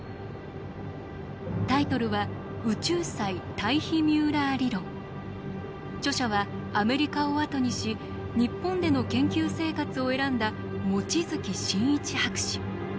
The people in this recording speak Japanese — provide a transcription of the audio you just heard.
タイトルは著者はアメリカを後にし日本での研究生活を選んだ望月新一博士。